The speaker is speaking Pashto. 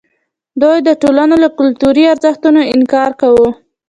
دوی د ټولنې له کلتوري ارزښتونو انکار کاوه.